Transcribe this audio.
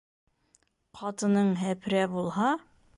Ҡатының һәпрә булһа